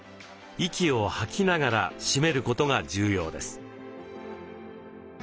息を吐きながら締めることが重要です。